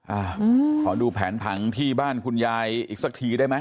อ่าขอดูแผนผังที่บ้านคุณยายอีกสักทีได้ไหม